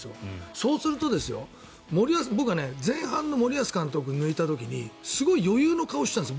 そうすると僕は前半の森保監督、抜いた時にすごい余裕の顔をしていたんですよ。